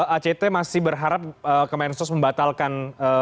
act masih berharap kemensos membatalkan